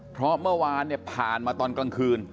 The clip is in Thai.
เพราะเมื่อวานเนี่ยผ่านมาตอนกลางคืน